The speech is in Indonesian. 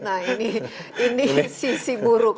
nah ini sisi buruknya